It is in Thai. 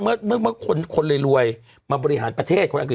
เมื่อคนรวยมาบริหารประเทศคนอังก